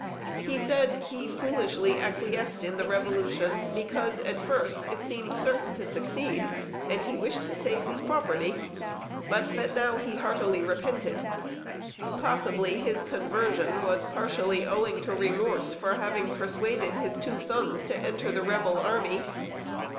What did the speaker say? He said he foolishly acquiesced in the Revolution because at first it seemed certain to succeed, and he wished to save his property; but that now he heartily repented. Possibly his conversion was partially owing to remorse for having persuaded his two sons to enter the Rebel army.